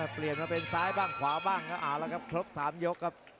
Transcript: เปลี่ยนมาเป็นซ้ายบ้างขวาบ้างครับเอาละครับครบ๓ยกครับ